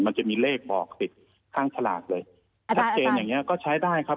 มันจะมีเลขบอกติดข้างฉลากเลยอาจารย์อาจารย์ก็ใช้ได้ครับ